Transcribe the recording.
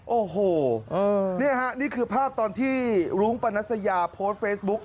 โอ้โหนี่ฮะนี่คือภาพตอนที่รุ้งปนัสยาโพสต์เฟซบุ๊ก